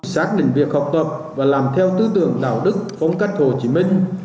xác định việc học tập và làm theo tư tưởng đạo đức phong cách hồ chí minh